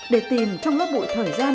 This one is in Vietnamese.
để tìm trong lớp bụi thời gian